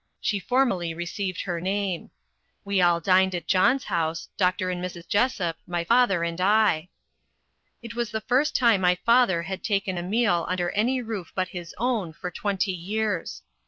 she formally received her name. We all dined at John's house Dr. and Mrs. Jessop, my father and I. It was the first time my father had taken a meal under any roof but his own for twenty years.